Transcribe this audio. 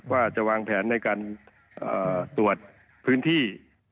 ว่าจะวางแผนในการตรวจพื้นที่